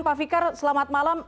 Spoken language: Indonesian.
pak fikar selamat malam